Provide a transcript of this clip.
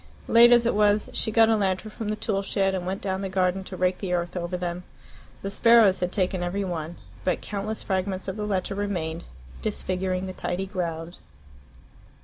Late as it was, she got a lantern from the tool shed and went down the garden to rake the earth over them. The sparrows had taken every one. But countless fragments of the letter remained, disfiguring the tidy ground.